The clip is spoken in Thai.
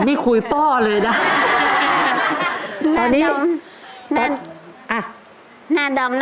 จนเจ้าแฟนใหม่